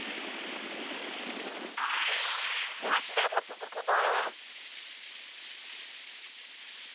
わしらもつづくぞ！